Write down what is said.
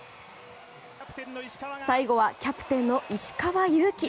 最後はキャプテンの石川祐希。